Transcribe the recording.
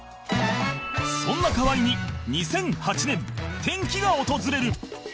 そんな河合に２００８年転機が訪れる